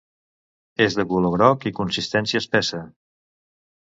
És de color groc i consistència espessa.